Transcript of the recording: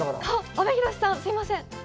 阿部寛さん、すいません。